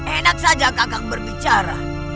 enak saja kakak berbicara